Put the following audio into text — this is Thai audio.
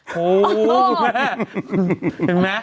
เห็นไหม